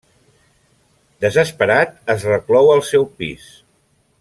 Desesperat, es reclou al seu pis.